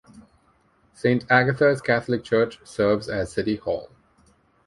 Saint Agatha's Catholic Church serves as city hall.